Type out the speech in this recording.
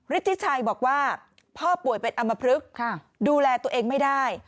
ฤทธิชัยบอกว่าพ่อป่วยเป็นอำมพลึกดูแลตัวเองไม่ได้